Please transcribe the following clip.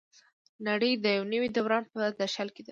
نړۍ د یو نوي دوران په درشل کې ده.